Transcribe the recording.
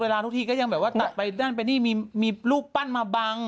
เวลานทุกทีก็มีตัดไปนั่นไปนี่มีลูกปั้นมาบาง